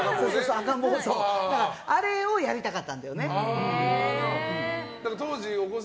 あれをやりたかったんだよね。